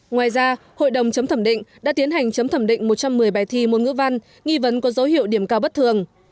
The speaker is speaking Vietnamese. ngoài ra hội đồng chấm thẩm định đã tiến hành chấm thẩm định một trăm một mươi bài thi môn ngữ văn nghi vấn có dấu hiệu điểm cao bất thường